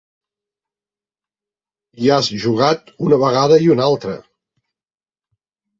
Hi has jugat una vegada i una altra.